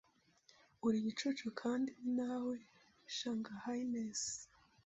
uri igicucu, kandi ni na we. (shanghainese)